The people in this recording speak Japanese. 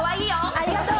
ありがとう！